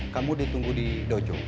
kamu ditunggu di dojo